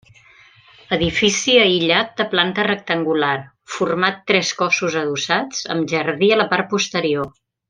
Edifici aïllat de planta rectangular, format tres cossos adossats, amb jardí a la part posterior.